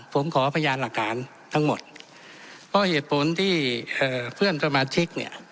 ผมขอพยานหลักฐานทั้งหมดเพราะเหตุผลที่เอ่อเพื่อนสมาชิกเนี่ย